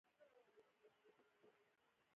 مراکش خوندوره مېله را زهرژلې کړه.